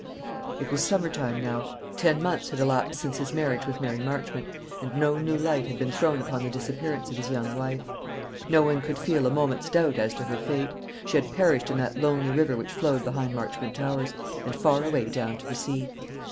It was summer time now. Ten months had elapsed since his marriage with Mary Marchmont, and no new light had been thrown upon the disappearance of his young wife. No one could feel a moment's doubt as to her fate. She had perished in that lonely river which flowed behind Marchmont Towers, and far away down to the sea.